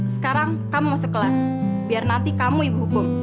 sekarang kamu masuk kelas biar nanti kamu yang hukum